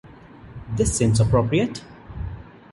This seems appropriate.